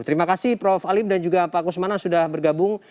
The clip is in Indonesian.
terima kasih prof alim dan juga pak kusmana sudah bergabung